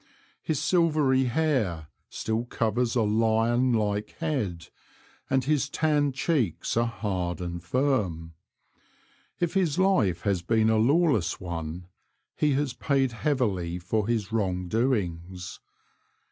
His silvery hair still covers a lion like head, and his tanned cheeks are hard and firm. If his life has been a lawless one he has paid heavily for his wrong doings.